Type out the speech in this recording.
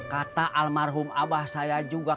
kata almarhum abah saya juga